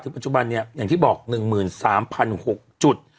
ถึงปัจจุบันเนี่ยอย่างที่บอก๑๓๖๐๐จุด